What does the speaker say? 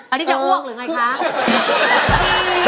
อันนี้จะอ้วกหรือไงคะ